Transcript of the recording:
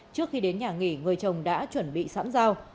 trước khi đến nhà nghỉ người chồng đã chuẩn bị sẵn dao